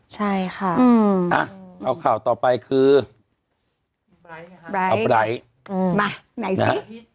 ใช่ค่ะอืมอ่ะเอาข่าวต่อไปคือไบร์ทเอาไบร์ทอืมมาไหนสิ